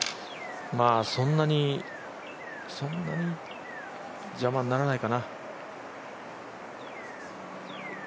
そんなに邪魔にならないかな。